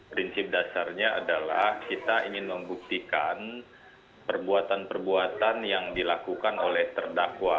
prinsip dasarnya adalah kita ingin membuktikan perbuatan perbuatan yang dilakukan oleh terdakwa